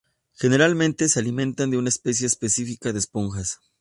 Generalmente se alimentan de una especie específica de esponjas.